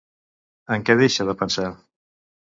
En què deixa de pensar?